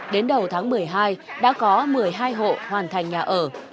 đến đầu tháng một mươi hai đã có một mươi hai hộ hoàn thành nhà ở